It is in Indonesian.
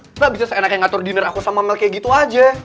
nggak bisa seenaknya ngatur dinner aku sama mel kayak gitu aja